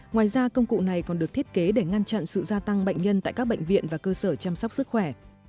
ngoài ra công cụ này còn được thiết kế để ngăn chặn sự gia tăng bệnh nhân tại các bệnh viện và cơ sở chăm sóc sức khỏe